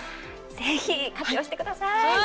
ぜひ活用してください。